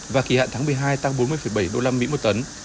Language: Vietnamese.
và kỳ hạn tháng một mươi hai tăng bốn mươi bảy usd một tấn